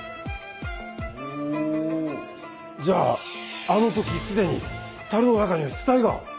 おぉじゃああの時既に樽の中には死体が？